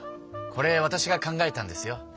これわたしが考えたんですよ。